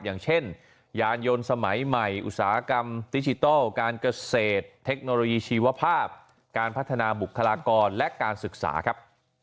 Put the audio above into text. อย่างเช่นยานยนต์สมัยใหม่อุตสาหกรรมดิจิทัลการเกษตรเทคโนโลยีชีวภาพการพัฒนาบุคลากรและการศึกษาครับ